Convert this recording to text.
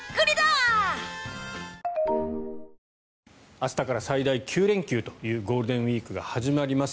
明日から最大９連休というゴールデンウィークが始まります。